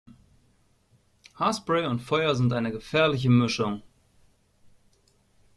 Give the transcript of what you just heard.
Haarspray und Feuer sind eine gefährliche Mischung